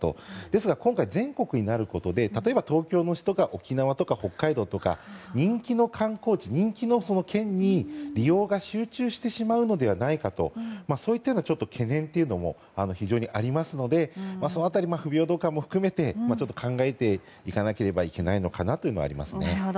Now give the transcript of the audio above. ですが今回、全国になることで例えば東京の人が沖縄とか北海道とか人気の観光地人気の県に利用が集中してしまうのではないかとそういった懸念もありますのでその辺り、不平等感も含めて考えていかなければいけないのかなと思いますね。